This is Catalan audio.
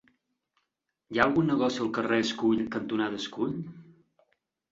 Hi ha algun negoci al carrer Escull cantonada Escull?